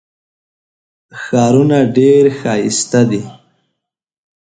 ښارونه ډېر ښایسته دي.